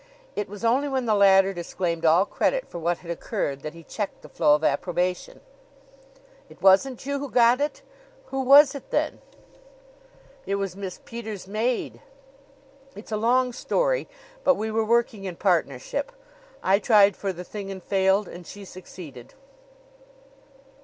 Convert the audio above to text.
It was only when the latter disclaimed all credit for what had occurred that he checked the flow of approbation. "It wasn't you who got it? Who was it, then?" "It was Miss Peters' maid. It's a long story; but we were working in partnership. I tried for the thing and failed, and she succeeded."